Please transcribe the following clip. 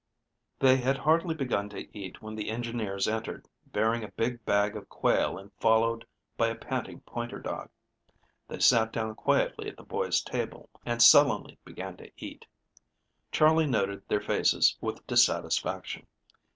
They had hardly begun to eat when the engineers entered, bearing a big bag of quail and followed by a panting pointer dog. They sat down quietly at the boys' table, and sullenly began to eat. Charley noted their faces with dissatisfaction.